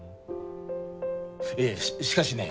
いえしかしね